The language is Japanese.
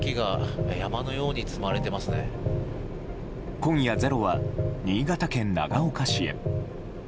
今夜、「ｚｅｒｏ」は新潟県長岡市へ。